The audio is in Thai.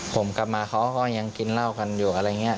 ผมกลับมาเขาก็ยังกินเหล้ากันอยู่อะไรอย่างนี้